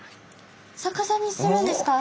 逆さにするんですか？